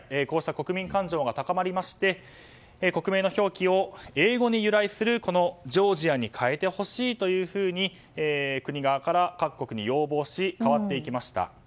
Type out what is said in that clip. こうした国民感情が高まりまして国名の表記を英語に由来するジョージアに変えてほしいというように国側から各国に要望し変わっていきました。